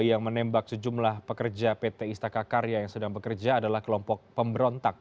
yang menembak sejumlah pekerja pt istaka karya yang sedang bekerja adalah kelompok pemberontak